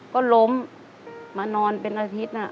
ก็ล้มมานอนเป็นอาทิตย์